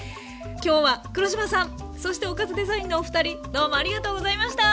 今日は黒島さんそしてオカズデザインのお二人どうもありがとうございました！